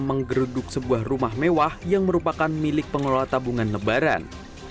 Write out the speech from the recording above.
menggeruduk sebuah rumah mewah yang merupakan milik pengelola tabungan lebaran